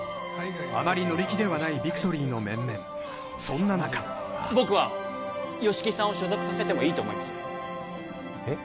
あまり乗り気ではないビクトリーの面々そんな中僕は吉木さんを所属させてもいいと思いますえっ？